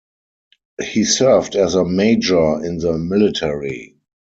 He served as a major in the military.